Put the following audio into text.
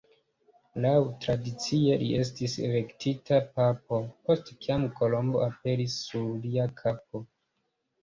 Laŭtradicie, li estis elektita papo, post kiam kolombo aperis sur lia kapo.